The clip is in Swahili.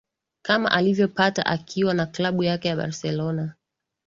kama alivyopata akiwa na Klabu yake ya Barcelona